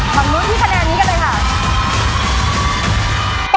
ขอบคุณค่ะพี่คะแนนนี้กันเลยค่ะ